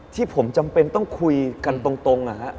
ที่ผมจำเป็นต้องคุยกันตรง